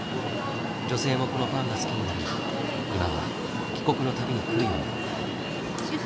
女性もこのパンが好きになり今は帰国の度に来るように。